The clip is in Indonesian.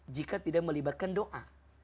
jika tidak melibatkan doa